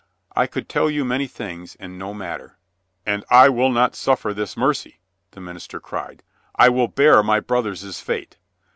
"I could tell you many things and no matter." "And I will not suffer this mercy," the minister cried. "I will bear my brothers' fate.